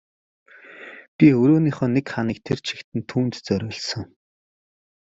Би өрөөнийхөө нэг ханыг тэр чигт нь түүнд зориулсан.